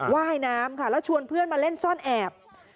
ว่ายน้ำค่ะแล้วชวนเพื่อนมาเล่นซ่อนแอบ